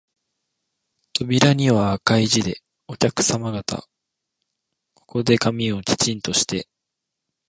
扉には赤い字で、お客さま方、ここで髪をきちんとして、